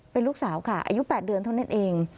เป็นลูกสาวค่ะอายุ๘เดือนเท่านั้นเอง